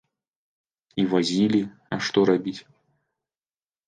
І вазілі, а што рабіць?